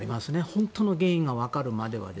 本当に原因がわかるまで。